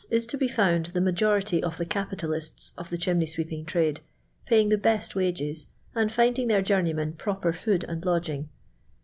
is to be fiiund the majority of the capitalists of the chinmey sweeping trade, paying the best wages, and finding their journeymen proper food and lodL'ing.